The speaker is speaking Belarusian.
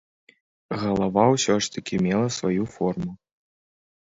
Галава ўсё ж такі мела сваю форму.